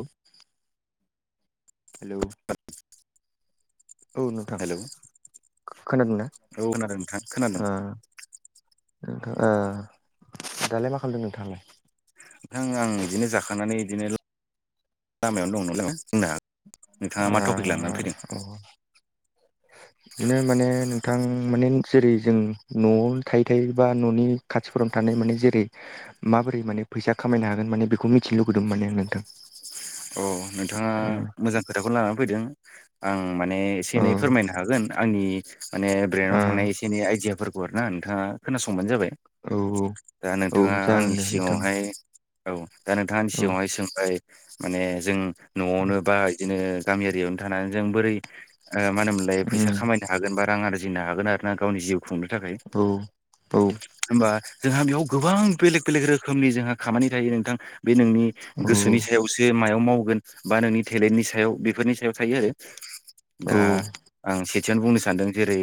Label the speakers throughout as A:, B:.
A: औ [unintelligible]
B: [inaudible]
A: हेल'
B: [inaudible]
A: औ नोंथां
B: हेलौ
A: खोनादोंना
B: औ खोनादों नोंथां खोनादों
A: नोंथां दालाय मा खालामदों नोंथांङालाय?
B: नों आं बिदिनो जाखांनानै इदिनो लामायावनो दं नलाय बुंनो हाग नोंथांङा मा टपिक लानानै फैदों?
A: ओ औ [inaudible] बिदिनो माने नोंथां माने जेरै जों न'आव थायो थायो बा न'नि खाथिफोरावनो थानाय माने जेरै माबोरै माने फैसा खामायनो हागोन माने बेखौ मिथिनो लुुबैदोंमोन माने आं नोंथां।
B: अ नोंथाङा
A: औ
B: मोजां खोथाखौनो लानानै फैदों। आं माने
A: औ
B: एसे-एनै फोरमायनो हागोन आंनि माने ब्रेनाव थानाय एसे एनै आइडियाफोरखौ गुआर ना नोंथांङा खोनासंबानो जाबाय
A: औ
B: दा
A: औ
B: नोंथांङा
A: जागोन
B: आंनि
A: दे नोंथां
B: सिगांङावहाय औ दा नोंथांनि
A: औ
B: सिगांङावहाय सोंबाय माने जों
A: उम
B: न'आवनो बा बिदिनो गामि आररियावनो थानानै जों बोरै ओ मा होनोमोनलाय फैसा खामायनो हागोन बा रां आरजिनो हागोन आरो ना गावनि जिउ खुंनो थाखाय
A: औ औ
B: होमबा जोंहा बेयाव गोबां बेलेग बेलेग रोखोमनि जोंहा खामानि थायो नोंथां बे नोंनि
A: औ
B: गोसोनि सायावसो मायाव मावगोन बा नोंनि टेलेन्टनि सायाव बेफोरनि थायो
A: औ
B: दा आं सेथियावनो बुंनो सानदों जेरै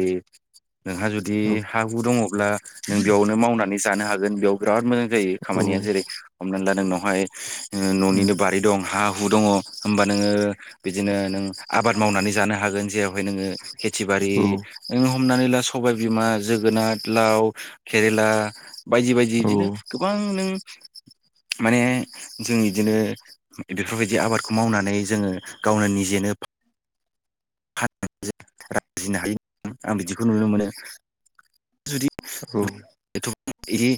B: नोंहा जुदि दि
A: औ
B: हा हु दंङब्ला जों बेयावनो मावनानै जानो हागोन बेयाव बिराद मोजां जायो
A: औ
B: खामानिया जेरै हमना ला नोंनावहाय ओ
A: उम
B: न'निनो बारि दं हा हु दंङ होमबा नोंङो बिदिनो नों आबाद मावनानै जानो हागोन जेरावहाय नोङो खेथि बारि
A: औ
B: नों हमनानै ला सबायबिमा जोगोनार लाव केरेला बायदि बायदि इदिनो गोबां नों माने जों इदिनो बेफोरबायदि आबादखौ मावनानै जोंङो गावनो निजेनो फाननो हायो आं बिदिखौ नुनो मोनो जुदि
A: औ
B: बिदि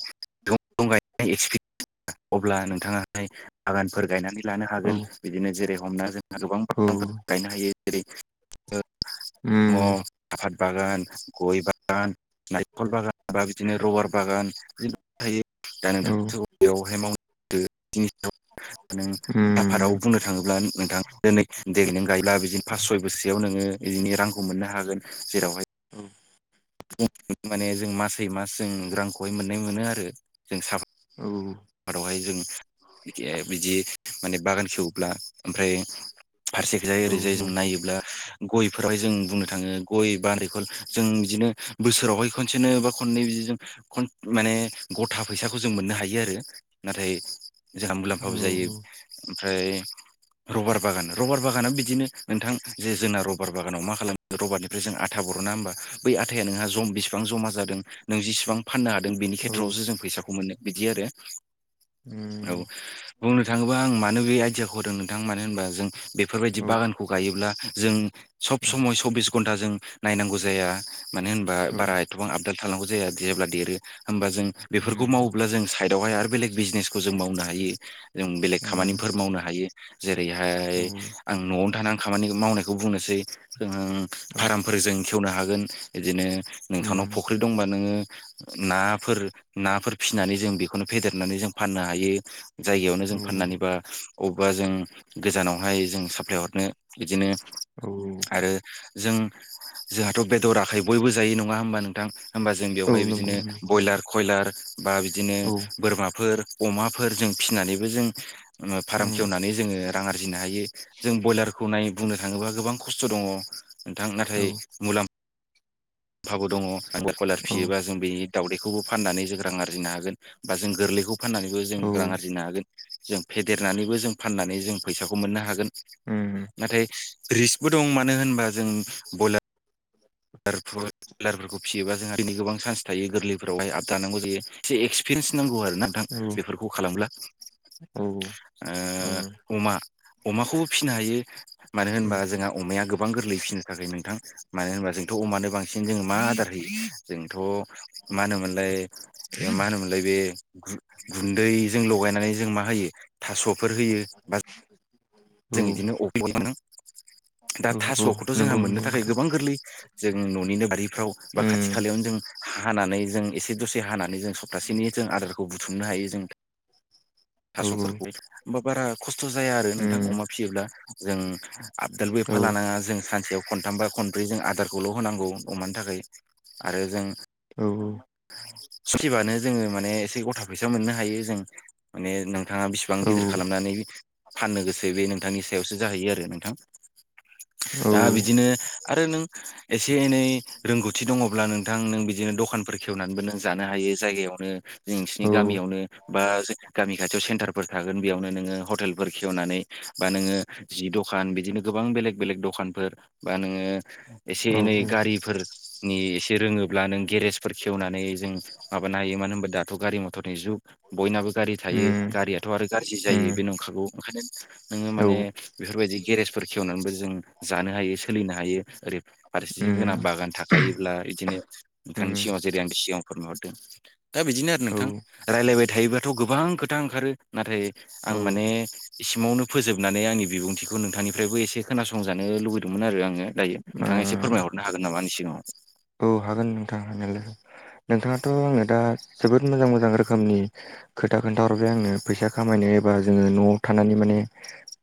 B: दंफं गायनाय एक्सपिरियेन्स [unintelligible] अब्ला नोंथांङाहाय बागानफोर गायनानै लानो
A: औ
B: हागोन बिदिनो जेरै हमना जोंना गोबां
A: औ
B: बांफोर गायनो हायो जेरै
A: उम
B: दंङ साफाद बागान गय बागान नारिखल बागान बा बिदिनो रबार बागान थायो दा
A: औ
B: नोंथां बेयावहाय मावनोनि नों आफादाव
A: उम
B: बुंनो थांङोब्ला नोंथां दिनै देग्लायों गायला बिदिनो फास सय बोसयाव नोंङो बिदिनो रांखौ मोननो हागोन जेरावहाय
A: औ
B: माने जों मासै मास जों रांखौहाय मोननाय मोनो आरो जों साफा
A: औ
B: बेवहाय जों बिदि माने बागान खेवोब्ला ओमफ्राय फारसेखैजाय
A: औ
B: ओरोइजायओरैजायो जों नायोब्ला गयफोरावहाय जों बुंनो थांङो गय बारिखल जों बिदिनो बोसोरावहाय खनसेनो बा खननै बिदि जों खन माने गथा फैसाखौ जों मोननो हायो आरो नाथाय जोंहा
A: औ
B: मुलाम्फाबो जायो ओमफ्राय रबार बागान रबार बागाना बिदिनो नोंथां जे जोंना रबार बागानाव मा खालामो रबारनिफ्राय जों आथा बर ना होनोमबा बै आथायाया नोंहा ज बिसिबां जमा जादों नों जेसेबां फाननो हादों बेनि
A: औ उम
B: खेथ्रआवसो जों फैसाखौ मोनो बिदि आरो औ बुंनो थांङोबा आं मानो बे आइदियाखौ होदों नोंथां मानो होनबा जों बेफोरबायदि
A: औ
B: बागानखौ खौ गायोब्ला जों सब समय सब्बिस घन्टा जों नायनांगौ जाया मानो होन
A: औ
B: बारा एथबां आबदाल थानांगौ जाया जेब्ला देरो होमबा जों
A: उम
B: बेफोरखौ मावोब्ला जों साइद आवहाय आरो बेलेग बिजनेसखौ जों मावनो हायो जों बेलेग
A: उम
B: खामानिफोर मावनो हायो जेरैहाय आं न'आवनो थानानै आं खामानि मावनायखौ बुंनोसै जों
A: औ
B: फार्मफोर जों खेवनो हागोन बिदिनो नोंथांनाव
A: उम
B: फुख्रि दंबा नोंङो नाफोर नाफोर फिसिनानै जों बेखौनो फेदेरनानै जों फाननो हायो जायगायावनो
A: औ
B: जों फाननानैबा अबेबा जों गोजानावहाय जों साप्लाय हरनो बिदिनो
A: औ
B: ओ जों जोंहाथ' बेदराखै बयबो जायो नङा होमबा नोंथां होमबा जों
A: औ
B: बेवहाय
A: नंगौ
B: बिदिनो
A: नंगौ
B: बयलार कयलार बा बिदिनो
A: औ
B: बोरमाफोर अमाफोर जों फिसिनानैबो जों फार्म
A: उम
B: खेवनानै जोंङो रां आरजिनो हायो। जों बयलारखौ नाय बुंनो थांङोबा गोबां खस्थ' दंङ नोंथां
A: औ
B: नाथाय मुलाम्फ मुलाम्फाबो दङ आं बयलार
A: औ उम
B: फिसियोबा जों बेज्नि दावदैखौबो फाननानै जों रां आरजिनो हागोन बा जों गोरलैखौ फाननानैबो जों रां आरजिनो हागोन जों फेदेरनानैबो जों फाननानै जों फैसाखौ मोननो हागोन
A: ओम
B: नाथाय रिस्कबो दं मानो होनबा जों लारफोरखौ फियोबा जोंहा दिननि गोबां चान्स थायो गोरलैफोरावहाय आबदानांगौ जायो एसे एक्सपिरियेन्स नांगौ आरो नाथां
A: औ
B: बेफोरखौ खालामब्ला
A: उम औ
B: ओ अमा अमाखौबो फिसिनो हायो मानो होनोबा जोंहा अमाया गोबां गोरलै फिसिनो थाखाय नोंथां मानो होनबा जों थ' अमानो बांसिन जों मा आदार होयो जोंथ' मा होनोमोनलाय ए मा होन लब गुन्दैजों लगायनानै जों मा होयो थास'फोर होयो बा
A: औ
B: जों बिदिनो अबयाव लादों दा
A: औ
B: थास'खौथ' जोंहा
A: नंगौ नंगौ
B: मोननो थाखाय
A: नोंथां
B: गोां गोबां गोरलै जों न'निनो बारिफ्राव बा खाथि
A: उम
B: खालायावनो जों हानानै जों एसे दसे हानानै जों सप्तासेनि जों आदारखौ बुथुमनो हायो जों
A: औ औ
B: थास'फोरखौ हबा बारा खस्थ' जाया आरो नों फिसियोब्ला जों आबदालबो एफा लानाङा जों सानसेयाव खनथाम बा खनब्रै जों आदारखौल' होनांगौ अमानि थाखाय आरो जों
A: औ औ
B: सुखिबानो जोङो माने एसे गथा फैसा मोननो हायो जों माने नोंथाङा बिसिबां बिसेबां
A: औ
B: गिदिर खालामनानै फाननो गोसो बे नोंथांनि सायावसो जाहैयो आरो नोंथां
A: औ
B: दा बिदिनो आरो नों एसे एनै रोंगौथि दङब्ला नोंथां नों बिदिनो दखानफोर खेवनानैबो नों जानो हायो जायगायावनो नोंसिनि
A: औ
B: गामियावनो बा गामि खाथियाव सेन्टारफोर थागोन बेयावनो नोङो हटेलफोर खेवनानै बा नोङो जि दखान बिदिनो गोबां बेलेग बेलेग दखानफोर बा नोङो एसे
A: औ
B: एनै
A: उम
B: गारिफोरनि एसे रोङोब्ला नों गेरेजफोर खेवनानै जों माबानो हायो मानो होनबा दाथ' गारि मथरनि जुग बयनाबो गारि थायो गारियाथ' आरो गाज्रि जायो
A: उम
B: बे नंखागौ ओंखायनो नोङो
A: औ
B: माने बेफोरबायदि गेरेजफोर खेवनानैबो जों जानो हायो सोलिनो हायो ओरै फारसेथिं जोंना
A: उम
B: बागान थाखो हायोब्ला बिदिनो नोंथांनि
A: उम
B: सिगां जेरै आं बे सिगां फोरमायहरदों दा बिदिनो आरो नोंथां राय्लायबाय थायोबाथ' गोबां खोथा ओंखारो नाथाय
A: औ
B: आं
A: औ
B: माने नआवनो फोजोबनानै आंनि बिबुंथिखौ नोंथांनिफ्रायबो एसे खोनासंजानो लुबैदोंमोन आरो आङो जायो
A: ओ
B: नोंथाङा एसे फोरमायहरनो हागोन नामा आनि सिगाङाव
A: औ हागोन नोंथां हानायालाय नोंथाङाथ' आङो दा जोबोद मोजां मोजां रोखोमनि खोथा खोन्थाहरबाय आंनो फैसा खामायनो एबा जोङो न'आव थानानै माने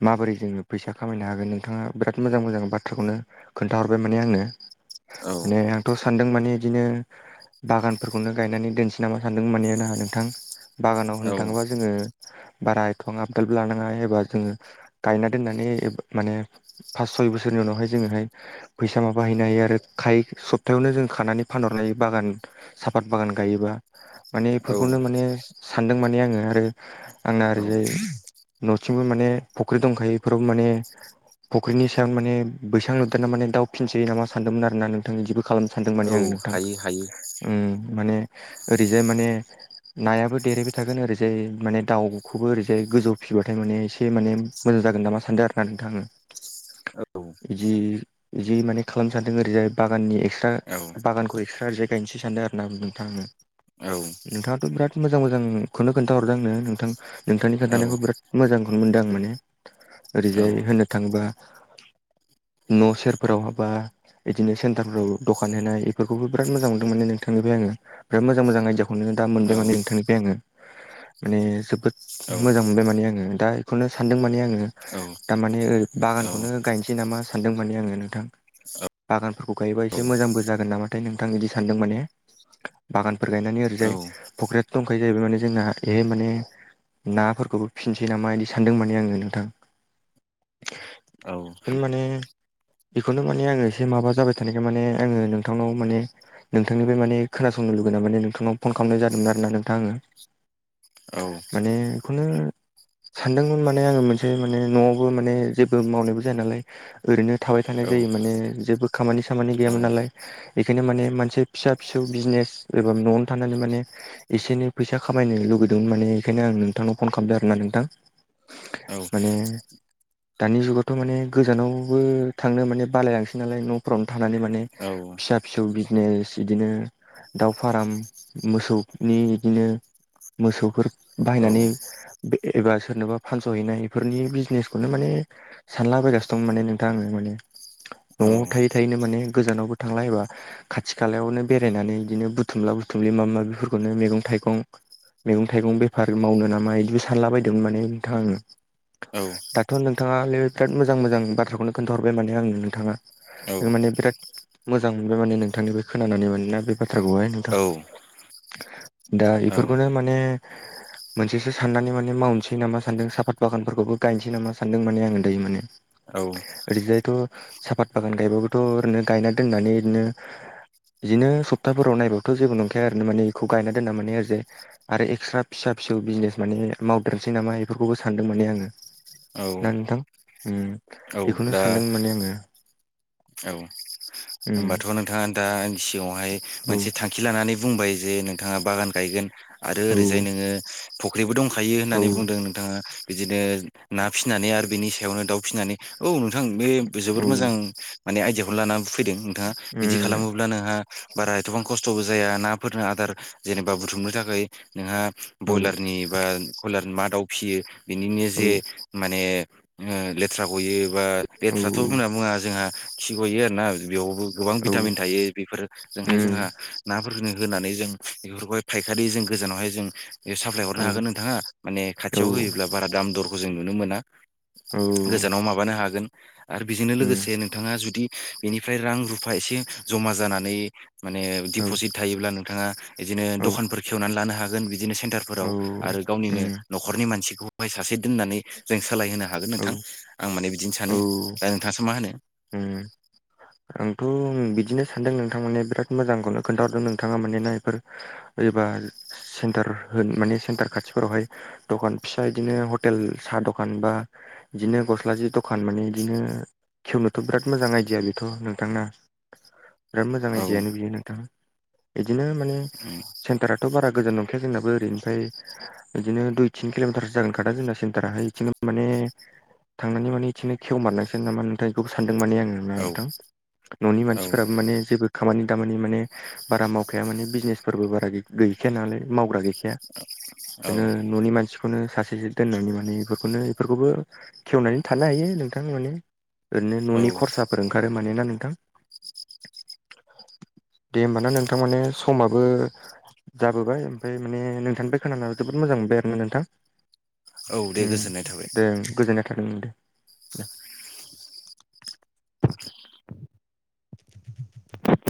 A: माबोरै जोङो फैसा खामायनो हागोन नोंथाङा बिराद मोजां मोजां बाथ्राखौनो खोन्थाहरबाय माने आंनो
B: औ
A: माने थ' सानदों माने बिदिनो बागानफोरखौनो गायनानै दोनसै नामा सानदों मानानो आंहा नोंथां बागानाव
B: औ
A: होननो थाङोब्ला जोङो बारा एथां आबगाब लानाङा एबा जोङो गायना दोननानै माने पास सय बोसोरनि उनावहाय जोङोहाय फैसा माबाहैनो हायो आरो खाय सब्तायावनो जों खानानै फानहरनो हायो बागान साफात बागान गायोबा माने
B: औ
A: बेफोरखौनो माने सानदों माने आङो आरो आंना
B: औ
A: ओरैजाय न'सिंबो माने फुख्रि दंखायो बेफोरावबो माने फुख्रिनि सायाव माने बैसां लुदोंना माने दा फिनसै नामा सानदोंमोन आरोना नोंथां बिदिबो खालामनो सानदों माने
B: औ
A: आङो नोंथां
B: हायो हायो
A: उ माने ओरैजाय माने नायाबो देरहबाय थागोन ओरैजाय माने दाउखौबो ओरैजाय गोजौ फिसिबाथाय माने एसे माने मोजांनामा सानदों आरो नथां ओ
B: औ
A: बिदि इदि माने खालामनो सानदों ओरैजाय बागाननि एक्सट्रा
B: औ
A: बागानखौ एक्सट्रा ओरैजाय गायनोसै सानदों आरो ना नोंथांनो
B: औ
A: नोंथाङाथ' बिराथ मोजां मोजांखौनो खोन्थाहरदों आंनो नोंथां नोंथांनि
B: औ
A: खोनन्थानायखौ बिराद मोजांखौनो मोनदों आं माने
B: औ
A: ओरैजाय होनो थाङोबा न' सेरफोराव हाबा बिदिनो सेन्टारफोराव दखान होनाय बेफोरखौबो बिराद मोजां मोनदों माने नोंथांनिफ्राय आङो बिराद मोजां मोजां आयदाखौ दा
B: औ
A: मोनबाय माने नोंथांनिफ्राय आङो माने जोबोद मोजां मोनबाय माने आङो दा बेखौनो सानदों माने आङो
B: औ
A: थारमाने ओै बागानखौनो गायनोसै नामा सानदों माने आङो नोंथां बागानखौ गायोबा एसे मोजांबो जागोन नामाथाय नोंथां बिदि सानदों माने बागानफोर गायनानै ओरैजाय फक्रिट दंखायो जाहैबाय माने जोंना एहाय माने नाफोरखौबो फिननोसै नामा बिदि सानदों माने आङो नोंथां
B: औ
A: बेखौनो माने बेखौनो माने आङो एसे माबा जाबाय थानायखाय माने आङो नोंथांनाव माने नोंथांनिफ्राय माने खोनासं लुगै ना मान नोंथनाव फन खालामनाय जादोंमोन आरो ना नोंथां आङो माने खुनु सानदोंमोन माने आङो मोनसे माने न'आवबो माने जेबो मावनायबो जाया नालाय ओरैनो थाबाय थानाय जायो माने जेबो खामानि सामानि गैयामोन नालाय बेखायनो माने मोनसे फिसा फिसौ बिजनेस एबा न'आवनो थानानै माने एसेनो फैसा खामायनो लुगैदोंमोन माने बेखायनो आं नोंथांनाव फन खालामदो आरो ना नोंथां माने दानि जुगाव थ' माने गोजानावबो थांनो माने बालायलांसै नालाय न'फोरफ्रावनो थानानै माने फिसा फिसौ बिजनेस बिदिनो दाउ फाराम मोसौनि बिदिनो मोसौफोर बाहायनानै एबा सोरनोबा फानस'हैनाय बेफोरनि बिजनेसखौनो माने सानलाबायगासिनो दं माने नोंथां आङो माने न'आव
B: औ-औ-औ-औ-औ-औ-औ-औ-औ-औ-औ-औ-औ-औ-औ-औ-औ-औ-औ-औ-औ-औ-औ-औ-औ-औ
A: थायै थायैनो माने गोजानावबो थांला एबा खाथि खालायावनो बेरायनानै बिदिनो बुथुमला बुथुम्लि माबा माबिफोरखौनो मैगं थाइगं मैगं थाइगं बेफार मावनो नामा बिदिबो सानला बदोंमोन माने नोंथां आङो
B: औ
A: दाथ' नोंथाङानो बिराद मोजां मोजां बाथ्राखौनो खोन्थाहरबाय माने आंनो नोंथाङा माने बिराद मोजां मोनबाय माने नोंथांनि बे खोनानानै मानोना बे बाथ्राखौहाय नोंथां दा इफोरखौनो माने मोनसेसो साननानै माने मावनोसै नामा सानदों साफात बागानफोरखौबो गायनोसै नामा सानदों माने आं दायो माने ओरैजायथ' साफात बागान गायबाबोथ' ओरैनो गायना दोननानै ओरैनो बिदिनो सप्ताफोराव नायबथ' जेबो नंखाया आरो माने बेखौ गायना दोनना माने आरैजाय आरो एक्सट्रा फिसा फिसौ बिजनेस माने मावदेरसै नामा बेफोरखौबो सानदों माने आङो ना नोंथां बेखौनो
B: दा
A: सानदों माने आङो
B: औ
A: उम
B: होमबाथ' नोंथाङा दांनि सिगाङावहाय
A: औ
B: मोनसे थांखि लानानै बुंबाय जे नोंथाङा बागान गायगोन आरो
A: औ
B: ओरैजाय नोङो फख्रिबो दंखायो
A: औ
B: होननानै बुंदों नोंथाङा बिदिनो ना फिसिनानै आरो बिनि सायावनो दाउ फिसिनानै औ नोंथां बे
A: औ
B: जोबोद मोजां माने आयदियाखौ लानानानै फैदों नोंथाङा
A: उम
B: बिदिब्ला नोंहा बारा एथबां खस्थ'बो जाया नाफोरनो आदार जेनेबा बुथुमनो थाखाय नोंहा
A: औ
B: ब्रयलारनि बा कयलारनि मा दाउ फिसियो बिनिनो
A: औ
B: जे माने लेथ्रा गयो बा
A: औ
B: लेथ्राथ' होनना बुङा जोंहा खिगयो आर ना बेयावबो गोबां
A: औ
B: भिटामिन थायो बेफोरजोंहाय जोंहा
A: उम
B: नाफोरनो होनानै जों बेफोरखौहाय फायखारि जों गोजानावहाय जों बे साप्लाय हरनो
A: औ
B: हागोन नोंथाङा माने
A: औ
B: खाथियाव होयोब्ला बारा दाम दरखौ जों नुनो मोना
A: औ
B: गोजानाव माबानो हागोन आरो बेजोंनो
A: उम
B: लोगोसे नोंथाङा जुदि बेनिफ्राय रां रु फा एसे जमा जानानै माने
A: औ
B: दिपजिट थायोब्ला नोंथाङा बिदिनो
A: औ
B: दखानफोर खेवनानै लानो हागोन बिदिनो
A: औ
B: सेन्टारफोराव आरो गावनिनो
A: उम
B: न'खरनि मानसिखौ बेहाय सासे दोननानै जों सालायहोनो हागोन
A: औ
B: नोंथां आं माने बिदिनो
A: औ
B: सानो, दा नोंथाङासो मा होनो?
A: उम आंथ' बिदिनो सान्दों नोंथां माने बिराद मोजांखौनो खोन्थाहरदों नोंथाङा माने ना बेफोर एबा सेन्टार होन माने सेन्टार खाथिफोरावहाय दखान फिसा इदिनो हटेल साहा दखान बा बिदिनो गस्ला जि दखान माने बिदिनो खेवनोथ' बिराद मोजां आइदिया बेथ' नों थाङा बिराद मोजां
B: औ
A: आयडियानो बियो नोंथाङा बिदिनो माने सेन्टाराथ' बारा गोजान नंखाया जोंनाबो ओरैनिफ्राय बिदिनो दुइ थिन किल'मिटारो जागोन खोना जोंना सेन्टाराहाय बिदिनो माने थांनानै माने बिदिनो खेव मारनोसो नामा नोंथां बेखौबो सानदों माने आङो
B: औ
A: नोंथां। न'नि
B: औ
A: मानसिफोराबो माने जेबो खामानि दामानि माने बारा मावखाया माने बिजनेसफोरबो बारा गैखाया नालाय मावग्रा गै खाया,
B: औ
A: बिदिनो न'नि मानसि बेखौनो सासेसो दोननानै माने बेफोरखौनो बेफोरखौबो खेवनानै थानो हायो नोंथां माने ओरैनो
B: औ
A: न'नि खरसाफोर ओंखारो माने ना नोंथां? दे होमबाना नोंथां माने समाबो जाबोबाय ओमफ्राय माने नोंथांनिफ्राय खोनाना जोबोद मोजां मोनबाय आरोना नोंथां
B: औ दे
A: उम
B: गोजोननाय थाबाय।
A: दे गोजोननाय थागोन दे। [unintelligible]